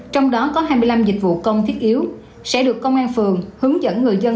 trong đó có hai mươi năm dịch vụ công thiết yếu sẽ được công an phường hướng dẫn người dân